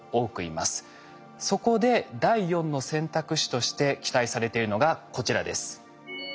そこで第４の選択肢として期待されているのがこちらです。